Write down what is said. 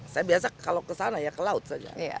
saya biasa kalau kesana ya ke laut saja